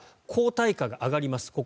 これは抗体価が上がります。